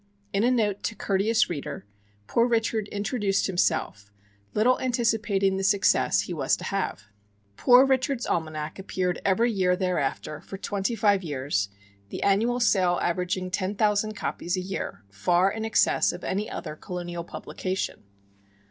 In a note to "Courteous Reader," Poor Richard introduced himself, little anticipating the success he was to have. "Poor Richard's Almanac" appeared every year thereafter, for twenty five years, the annual sale averaging 10,000 copies a year, far in excess of any other Colonial publication.